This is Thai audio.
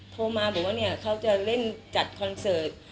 โทรมาบอกว่าเนี่ยเขาจะเล่นจัดคอนเสิร์ต